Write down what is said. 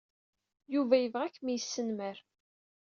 Yuba yebɣa ad kem-yesnemmer.